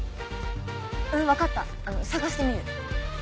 うん分かった捜してみる。